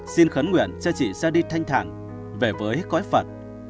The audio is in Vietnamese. xin khấn nguyện cho chị ra đi thanh thẳng về với cõi phật